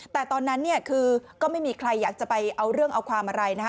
แต่ตอนนั้นเนี่ยคือก็ไม่มีใครอยากจะไปเอาเรื่องเอาความอะไรนะฮะ